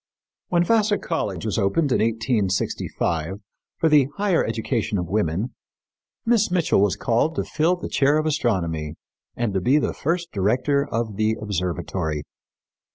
When Vassar College was opened in 1865 for the higher education of women, Miss Mitchell was called to fill the chair of astronomy and to be the first director of the observatory.